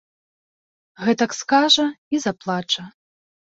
Гэтак скажа і заплача.